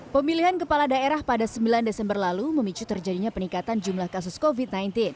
pemilihan kepala daerah pada sembilan desember lalu memicu terjadinya peningkatan jumlah kasus covid sembilan belas